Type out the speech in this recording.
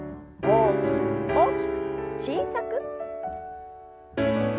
大きく大きく小さく。